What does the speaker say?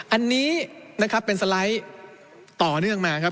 อันนี้นะครับเป็นสไลด์ต่อเนื่องมาครับ